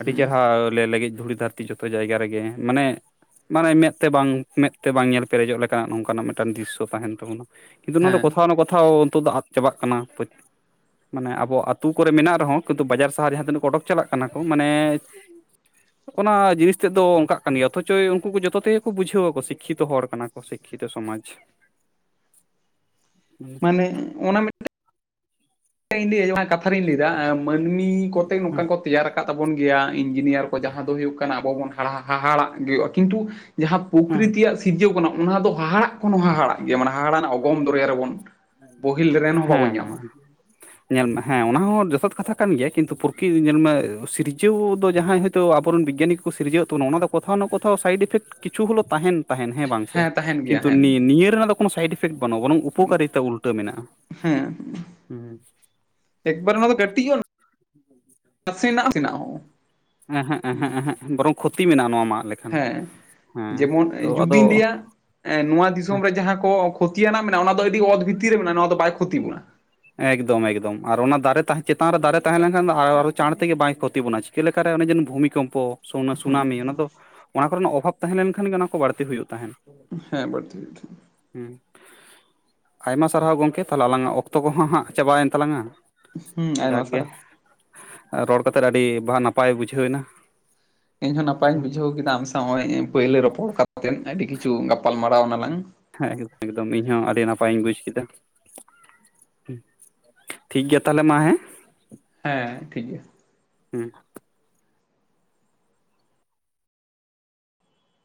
ᱟᱹᱰᱤ ᱪᱮᱨᱦᱟ ᱮ ᱞᱮᱸᱜᱮᱡ ᱫᱷᱩᱲᱤ ᱫᱷᱟᱹᱨᱛᱤ ᱡᱚᱛᱚ ᱡᱟᱭᱜᱟ ᱨᱮᱜᱮ ᱢᱟᱱᱮ ᱢᱟᱱᱮ ᱢᱮᱫ ᱛᱮ ᱵᱟᱝ ᱢᱮᱫ ᱛᱮ ᱵᱟᱝ ᱧᱮᱞ ᱯᱮᱨᱮᱡᱚᱜ ᱞᱮᱠᱟ ᱱᱚᱝᱠᱟᱱᱟᱜ ᱢᱤᱫᱴᱮᱱ ᱢᱤᱫᱴᱟᱱ ᱫᱨᱤᱥᱚ ᱛᱟᱦᱮᱱ ᱛᱟᱵᱚᱱᱟ ᱠᱤᱱᱛᱩ ᱱᱚᱣᱟ ᱫᱚ ᱦᱮᱸ ᱠᱚᱛᱷᱟᱣ ᱚᱱᱟ ᱠᱚᱛᱷᱟᱣ ᱱᱚᱜ ᱫᱚ ᱟᱫ ᱪᱟᱵᱟᱜ ᱠᱟᱱᱟ ᱢᱟᱱᱮ ᱟᱵᱚ ᱟᱛᱩ ᱠᱚᱨᱮ ᱢᱮᱱᱟᱜ ᱨᱮᱦᱚᱸ ᱠᱤᱱᱛᱩ ᱵᱟᱡᱟᱨ ᱥᱟᱦᱟᱨ ᱡᱟᱦᱟᱸ ᱛᱤᱱᱟᱹᱜ ᱠᱚ ᱚᱰᱚᱠ ᱪᱟᱞᱟᱜ ᱠᱟᱱᱟ ᱠᱚ ᱢᱟᱱᱮ ᱚᱱᱟ ᱡᱤᱱᱤᱥ ᱛᱮᱫ ᱫᱚ ᱚᱱᱠᱟᱜ ᱠᱟᱱ ᱜᱮᱭᱟ ᱚᱛᱷ ᱚᱪᱚᱭ ᱩᱱᱠᱩ ᱠᱚ ᱡᱚᱛᱚ ᱛᱮᱜᱮ ᱠᱚ ᱵᱩᱡᱷᱟᱹᱣ ᱟᱠᱚ ᱥᱤᱠ ᱠᱷᱤᱛᱚᱜ ᱦᱚᱲ ᱠᱟᱱᱟ ᱠᱚ ᱥᱤᱠ ᱠᱷᱤ ᱛᱤ ᱥᱚᱢᱟᱡ ᱢᱟᱱᱮ ᱚᱱᱟ ᱤᱧ ᱠᱟᱛᱷᱟ ᱨᱤᱧ ᱞᱟᱹᱭ ᱫᱟ ᱢᱟᱹᱱᱢᱤ ᱠᱚᱛᱮ ᱱᱚᱝᱠᱟ ᱠᱚ ᱛᱮᱭᱟᱨ ᱟᱠᱟᱱᱟ ᱠᱟᱜ ᱛᱟᱵᱚᱱ ᱜᱮᱭᱟ ᱤᱧᱡᱤᱱᱤᱭᱟᱨ ᱠᱚ ᱡᱟᱦᱟᱸ ᱫᱚ ᱦᱩᱭᱩᱜ ᱠᱟᱱᱟ ᱟᱵᱚ ᱵᱚᱱ ᱦᱟᱻᱦᱟᱦᱟᱲᱟᱜ ᱜᱮ ᱦᱩᱭᱩᱜᱼᱟ ᱠᱤᱱᱛᱩ ᱡᱟᱦᱟᱸ ᱦᱮᱸ ᱯᱚᱠᱨᱤᱛᱤᱭᱟᱜ ᱥᱤᱨᱡᱟᱹᱣ ᱠᱟᱱᱟ ᱚᱱᱟ ᱫᱚ ᱦᱟᱦᱟᱲᱟᱜ ᱠᱷᱚᱱ ᱦᱚᱸ ᱦᱟᱦᱟᱲᱟᱜ ᱜᱮᱭᱟ ᱢᱟᱱᱮ ᱦᱟᱦᱟᱲᱟᱜ ᱨᱮᱱᱟᱜ ᱚᱜᱚᱢ ᱫᱚᱨᱭᱟ ᱨᱮᱵᱚᱱ ᱵᱚᱦᱤᱞ ᱨᱮᱱ ᱦᱚᱸ ᱵᱟᱵᱚᱱ ᱦᱮᱸ ᱧᱟᱢᱟ ᱧᱮᱞ ᱢᱮ ᱦᱮᱸ ᱚᱱᱟ ᱦᱚᱸ ᱡᱚᱛᱷᱟᱛ ᱠᱟᱛᱷᱟ ᱠᱟᱱ ᱜᱮᱭᱟ ᱠᱤᱱᱛᱩ ᱯᱨᱚᱠᱤᱛ ᱧᱮᱞᱢᱮ ᱥᱤᱨᱡᱟᱹᱣ ᱫᱚ ᱡᱟᱦᱟᱸ ᱛᱚ ᱟᱵᱚᱨᱤᱱ ᱵᱮᱽᱜᱟᱭᱟᱱᱤᱠ ᱠᱚ ᱥᱤᱨᱡᱟᱹᱣ ᱛᱟᱵᱚ ᱚᱱᱟ ᱫᱚ ᱠᱚᱛᱷᱟ ᱱᱟ ᱠᱚᱛᱷᱟᱣ ᱱᱟ ᱥᱟᱭᱤᱰᱤ ᱮᱯᱷᱮᱠᱴ ᱠᱤᱪᱷᱩ ᱦᱚᱞᱚ ᱛᱟᱦᱮᱱ ᱛᱟᱦᱮᱱ ᱦᱮᱸ ᱵᱟᱝᱥᱮ ᱛᱟᱦᱮᱱ ᱜᱮᱭᱟ ᱠᱤᱱᱛᱩ ᱦᱮᱸ ᱱᱤᱭᱟᱹ ᱨᱮᱱᱟᱜ ᱫᱚ ᱠᱚᱱᱚ ᱥᱟᱭᱤᱰ ᱤᱯᱷᱮᱠᱴ ᱵᱟᱹᱱᱩᱜᱼᱟᱹᱱ [unintelligible] ᱦᱮᱸ ᱦᱩᱸ ᱮᱠᱵᱟᱨ ᱚᱱᱟ ᱫᱚ ᱠᱟᱹᱴᱤᱡᱼᱟ ᱱᱟᱥᱮᱱᱟᱜ ᱱᱟᱥᱮᱱᱟᱜ ᱦᱚᱸ ᱦᱮᱸ ᱦᱮᱸᱮᱸ ᱦᱸ ᱵᱚᱨᱚᱝ ᱠᱷᱚᱛᱤ ᱢᱮᱱᱟᱜᱼᱟ ᱱᱚᱣᱟ ᱢᱟᱜ ᱞᱮᱠᱟ ᱦᱮᱸ ᱡᱮᱢᱚᱱ ᱡᱩᱫᱤᱧ ᱞᱟᱹᱭᱼᱟ ᱱᱚᱣᱟ ᱦᱮᱸ ᱫᱤᱥᱚᱢ ᱨᱮ ᱡᱟᱦᱟᱸ ᱠᱚ ᱠᱷᱚᱛᱤᱭᱟᱱᱟᱜ ᱢᱮᱱᱟᱜᱼᱟ ᱚᱱᱟ ᱫᱚ ᱟᱹᱰᱤ ᱚᱛ ᱵᱷᱤᱛᱤᱨ ᱨᱮ ᱢᱮᱱᱟᱜᱼᱟ ᱱᱚᱣᱟ ᱫᱚ ᱵᱟᱭ ᱠᱷᱚᱛᱤ ᱵᱚᱱᱟ ᱮᱠᱫᱚᱢ ᱮᱠᱫᱚᱢ ᱟᱨ ᱚᱱᱟ ᱫᱟᱨᱮ ᱪᱮᱛᱟᱱ ᱨᱮ ᱫᱟᱨᱮ ᱛᱟᱦᱮᱸ ᱞᱮᱱᱠᱷᱟᱱ ᱫᱚ ᱟᱨ ᱪᱟᱬ ᱛᱮᱜᱮ ᱵᱟᱭ ᱠᱷᱚᱛᱤ ᱵᱚᱱᱟ ᱪᱮᱫ ᱞᱮᱠᱟ ᱨᱮ ᱚᱱᱮ ᱡᱮᱱᱚ ᱵᱷᱩᱢᱤ ᱠᱚᱢᱯᱚ ᱥᱩ ᱥᱩᱱᱟᱢᱤ ᱚᱱᱟ ᱫᱚ ᱚᱱᱟ ᱠᱚᱨᱮᱱᱟᱜ ᱚᱵᱷᱟᱵᱽ ᱛᱟᱦᱮᱸ ᱞᱮᱱ ᱠᱷᱟᱱ ᱜᱮ ᱚᱱᱟ ᱠᱚ ᱵᱟᱹᱲᱛᱤ ᱦᱩᱭᱩᱜ ᱛᱟᱦᱮᱸᱱ ᱦᱮᱸ ᱵᱟᱹᱲᱛᱤ ᱜᱮᱴ ᱦᱮᱸ ᱟᱭᱢᱟ ᱥᱟᱨᱦᱟᱣ ᱜᱚᱝᱠᱮ ᱛᱟᱦᱮᱞᱮ ᱟᱞᱟᱝᱟᱜ ᱚᱠᱛᱚ ᱠᱚᱦᱚᱸ ᱦᱟᱸᱜ ᱪᱟᱵᱟᱭᱮᱱ ᱛᱟᱞᱟᱝᱼᱟ ᱦᱩᱸ ᱟᱭᱢᱟ ᱡᱟᱠᱜᱮ ᱥᱟᱨᱦᱟᱣ ᱨᱚᱲ ᱠᱟᱛᱮ ᱟᱹᱰᱤ ᱱᱟᱯᱟᱭ ᱵᱩᱡᱷᱟᱹᱣ ᱮᱱᱟ ᱤᱧᱦᱚᱸ ᱱᱟᱯᱟᱭᱤᱧ ᱵᱩᱡᱷᱟᱹᱣ ᱠᱮᱫᱟ ᱟᱢ ᱥᱟᱶ ᱯᱳᱭᱞᱳ ᱨᱚᱯᱚᱲ ᱠᱟᱛᱮᱫ ᱟᱹᱰᱤ ᱠᱤᱪᱷᱩ ᱜᱟᱯᱟᱞ ᱢᱟᱨᱟᱨᱟᱣ ᱮᱱᱟᱞᱟᱝ ᱦᱮᱸ ᱮᱠᱫᱚᱢ ᱤᱧ ᱦᱚᱸ ᱟᱹᱰᱤ ᱱᱟᱯᱟᱭ ᱤᱧ ᱵᱩᱡᱽ ᱠᱮᱫᱟ ᱴᱷᱤᱠ ᱜᱮᱭᱟ ᱛᱟᱦᱚᱞᱮ ᱢᱟ ᱦᱮᱸ ᱦᱮᱸ ᱴᱷᱤᱠ ᱜᱮᱭᱟ [unintelligible]